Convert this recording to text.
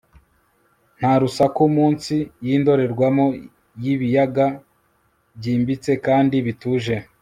nta rusaku, munsi yindorerwamo yibiyaga byimbitse kandi bituje